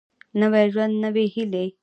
نوی ژوند نوي هېلې